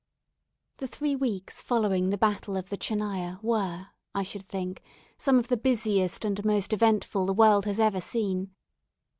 The three weeks following the battle of the Tchernaya were, I should think, some of the busiest and most eventful the world has ever seen.